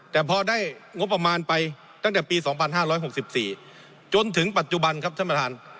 แต่พอได้งบประมาณไปตั้งแต่ปี๒๕๖๔จนถึงปัจจุบันครับท่านประธาน